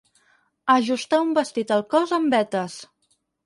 Ajustar un vestit al cos amb vetes.